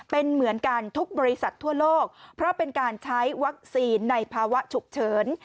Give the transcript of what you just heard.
เป็นเหมือนกันทุกบริษัททั่วโลกเพราะเป็นการใช้วัคซีนในภาวะฉุกเฉิน